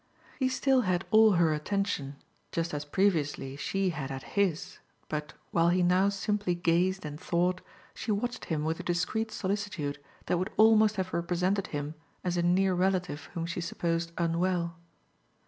He still had all her attention, just as previously she had had his, but, while he now simply gazed and thought, she watched him with a discreet solicitude that would almost have represented him as a near relative whom she supposed unwell.